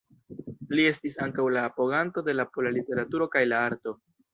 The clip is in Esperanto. Li estis ankaŭ la apoganto de la pola literaturo kaj la arto.